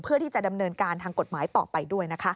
เพื่อที่จะดำเนินการทางกฎหมายต่อไปด้วยนะคะ